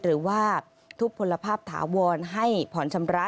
หรือว่าทุกผลภาพถาวรให้ผ่อนชำระ